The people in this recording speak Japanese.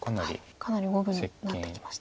かなり五分になってきました。